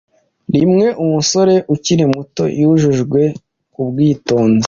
Rimwe umusore ukiri muto Yujujwe ubwitonzi